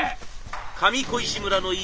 上小石村の市造。